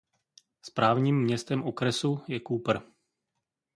Správním městem okresu je Cooper.